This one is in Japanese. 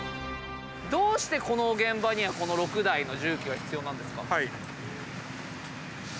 どうしてこの現場にはこの６台の重機が必要なんですか。